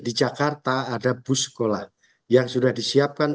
di jakarta ada bus sekolah yang sudah disiapkan